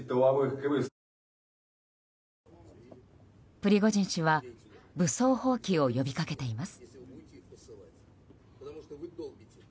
プリゴジン氏は武装蜂起を呼び掛けています。